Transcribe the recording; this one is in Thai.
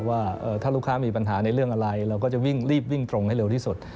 ว่าถ้าลูกค้ามีปัญหาในเรื่องอะไรเราก็จะวิ่งรีบวิ่งตรงให้เร็วที่สุด